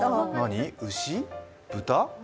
牛、豚？